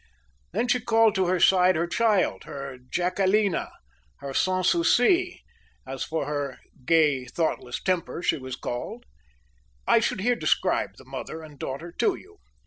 Then she called to her side her child her Jacquelina her Sans Souci as for her gay, thoughtless temper she was called. I should here describe the mother and daughter to you.